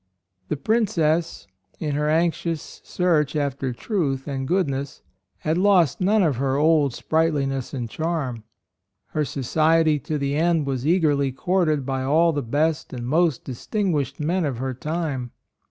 The Princess, in her anxious search after truth and goodness, AND MOTHER. 33 had lost none of her old spright liness and charm. Her society to the end was eagerly courted by all the best and most dis tinguished men of her time.